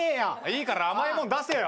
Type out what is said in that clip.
いいから甘いもん出せよ。